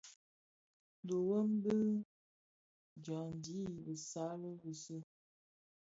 Dhi wom wom dyaňdi i bisal bize.